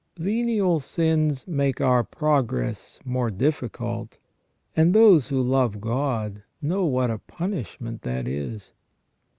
Venial sins make our progress more difficult, and those who love God know what a punishment that is.